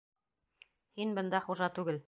Һин бында хужа түгел!